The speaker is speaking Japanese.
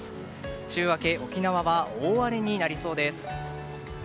週明け、沖縄は大荒れになりそうです。